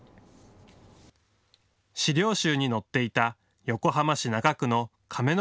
資料集に載っていた横浜市中区の亀之